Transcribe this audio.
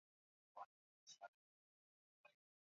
Kuna wakati unapita mwezi mzima bila kulima